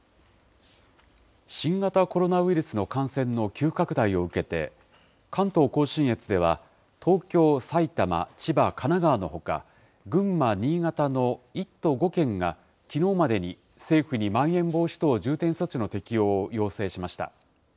新型コロナウイルスの感染の急拡大を受けて、関東甲信越では東京、埼玉、千葉、神奈川のほか、群馬、新潟の１都５県が、きのうまでに、政府にまん延防止等重点措置の適用を要請しました。